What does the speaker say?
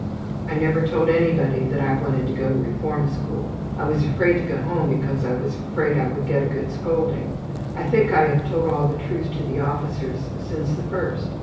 I never told anybody that I wanted to go to the reform school. I was afraid to go home because I was afraid I would get a good scolding. I think I have told all the truth to the officers since the first.